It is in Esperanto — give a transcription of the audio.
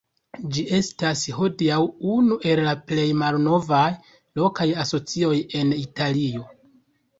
Ĝi estas hodiaŭ unu el la plej malnovaj lokaj asocioj en Italio.